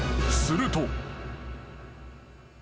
［すると］